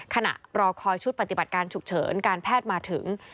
รอคอยชุดปฏิบัติการฉุกเฉินการแพทย์มาถึง